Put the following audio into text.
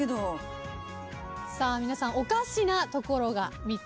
さあ皆さんおかしなところが３つ。